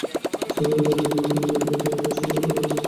সরকারি কাজের জন্য কোনো ব্যাংকের অধীনে একটি শাখা খোলা যেতে পারে।